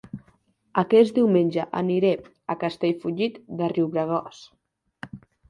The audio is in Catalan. Aquest diumenge aniré a Castellfollit de Riubregós